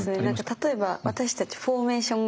例えば私たちフォーメーション